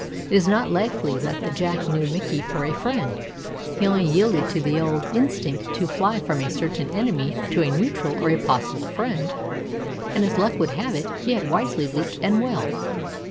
It is not likely that the Jack knew Mickey for a friend; he only yielded to the old instinct to fly from a certain enemy to a neutral or a possible friend, and, as luck would have it, he had wisely leaped and well.